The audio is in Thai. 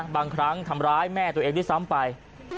บางครั้งทำร้ายแม่ตัวเองด้วยซ้ำไป